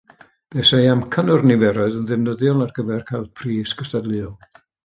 Buasai amcan o'r niferoedd yn ddefnyddiol ar gyfer cael pris cystadleuol